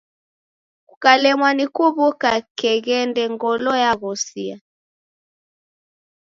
Kukalemwa ni kuw'uka keghende, ngolo yaghosia.